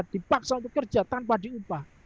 dipaksa untuk kerja tanpa diupah